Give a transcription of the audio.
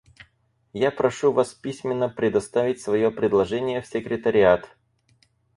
Я прошу вас письменно представить свое предложение в секретариат.